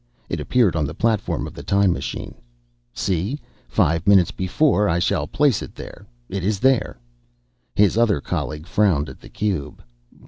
It appeared on the platform of the time machine. "See? Five minutes before I shall place it there, it is there!" His other colleague frowned at the cube.